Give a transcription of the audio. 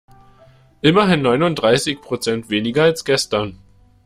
Immerhin neununddreißig Prozent weniger als gestern.